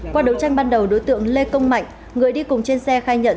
qua đấu tranh ban đầu đối tượng lê công mạnh người đi cùng trên xe khai nhận